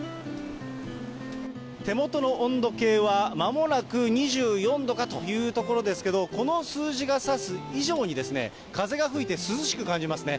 手元の温度計は、まもなく２４度かというところですけど、この数字が指す以上に風が吹いて涼しく感じますね。